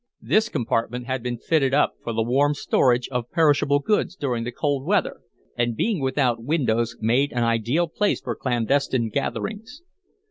This compartment had been fitted up for the warm storage of perishable goods during the cold weather, and, being without windows, made an ideal place for clandestine gatherings.